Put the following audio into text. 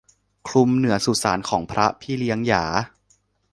คลุมเหนือสุสานของพระพี่เลี้ยงหยา